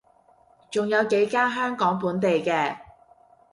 仲有幾間香港本地嘅